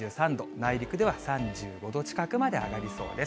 内陸では３５度近くまで上がりそうです。